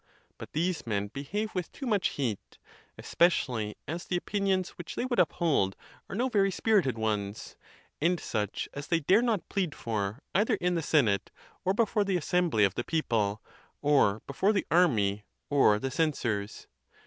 But these men behave with too much heat, especially as the opinions which they would uphold are no very spirited ones, and such as they dare not plead for either in the senate or before the assembly of the people, or before the army or the censors.